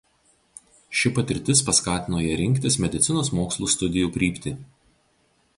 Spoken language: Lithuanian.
Ši patirtis paskatino ją rinktis medicinos mokslų studijų kryptį.